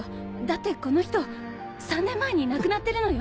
だってこの人３年前に亡くなってるのよ。